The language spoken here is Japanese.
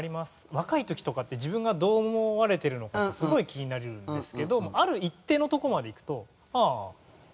若い時とかって自分がどう思われてるのかってすごい気になるんですけどある一定のとこまでいくとああってなるんですよ。